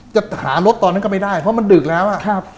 จะหารถตอนนั้นก็ไม่ได้เพราะมันดึกแล้วอ่ะครับ